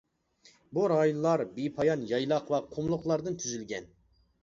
بۇ رايونلار بىپايان يايلاق ۋە قۇملۇقلاردىن تۈزۈلگەن.